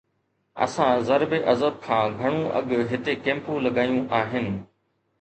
اسان ضرب عضب کان گهڻو اڳ هتي ڪيمپون لڳايون آهن.